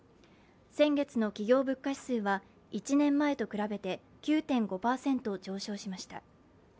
先月の企業物価指数は１年前と比べて９．５％上昇しました。